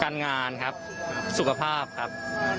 การงานครับสุขภาพครับ